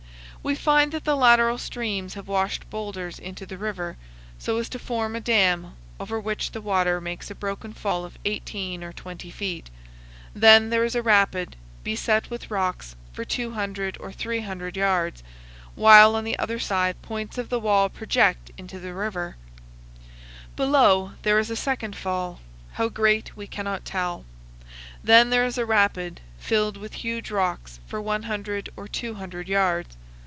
We find that the lateral streams have washed boulders into the river, so as to form a dam, over which the water makes a broken fall of 18 or 20 feet; then there is 278 CANYONS OF THE COLORADO. a rapid, beset with rocks, for 200 or 300 yards, while on the other side, points of the wall project into the river. Below, there is a second fall; how great, we cannot tell. Then there is a rapid, filled with huge rocks, for 100 or 200 yards.